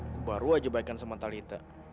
aku baru aja baikkan sama talitha